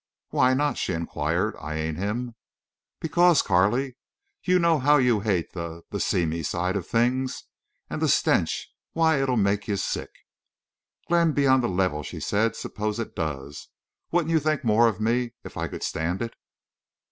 "Why not?" she inquired, eying him. "Because, Carley—you know how you hate the—the seamy side of things. And the stench—why, it'll make you sick!" "Glenn, be on the level," she said. "Suppose it does. Wouldn't you think more of me if I could stand it?"